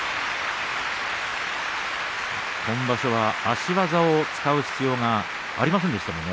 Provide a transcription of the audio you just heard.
今場所は足技を使う必要がありませんでしたね。